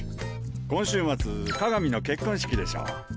今週末利見の結婚式でしょう。